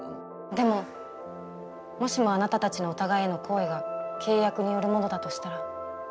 でももしもあなたたちのお互いへの好意が契約によるものだとしたら。